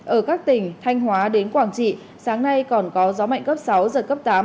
ở các tỉnh thanh hóa đến quảng trị sáng nay còn có gió mạnh cấp sáu giật cấp tám